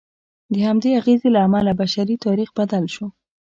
د همدې اغېز له امله بشري تاریخ بدل شو.